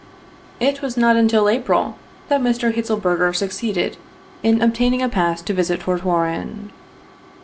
82 It was not until April that Mr. Hitselberger succeeded in obtaining a pass to visit Fort Warren.